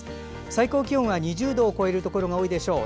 最高気温２０度を超えるところも多いでしょう。